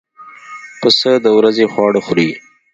پسه د ورځې خواړه خوري.